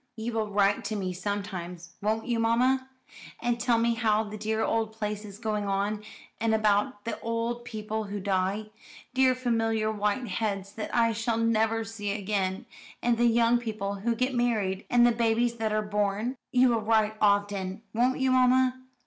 "You will write to me sometimes, won't you, mamma, and tell me how the dear old place is going on, and about the old people who die dear familiar white heads that I shall never see again and the young people who get married, and the babies that are born? You will write often, won't you, mamma?"